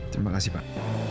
terima kasih pak